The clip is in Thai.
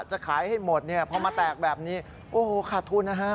จะขายให้หมดเนี่ยพอมาแตกแบบนี้โอ้โหขาดทุนนะฮะ